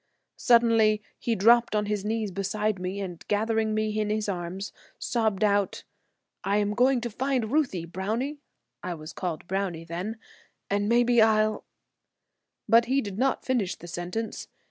"Suddenly he dropped on his knees beside me and gathering me in his arms, sobbed out: 'I am going to find Ruthie, Brownie [I was called Brownie then] and maybe I'll ,' but he did not finish the sentence.